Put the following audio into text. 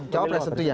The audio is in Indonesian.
cawapres itu ya